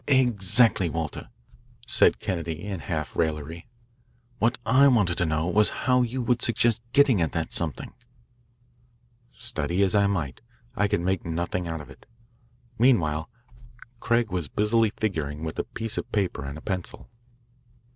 "Exactly, Walter," said Kennedy in half raillery. "What I wanted to know was how you would suggest getting at that something." Study as I might, I could make nothing out of it. Meanwhile Craig was busily figuring with a piece of paper and a pencil.